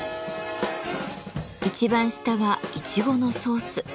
一番下はイチゴのソース。